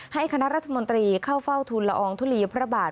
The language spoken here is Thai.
คณะรัฐมนตรีเข้าเฝ้าทุนละอองทุลีพระบาท